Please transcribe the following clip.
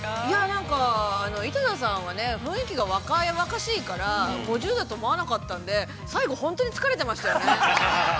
◆なんか、井戸田さんはね雰囲気が若々しいから５０だと思わなかったんで最後、本当に疲れてましたよね。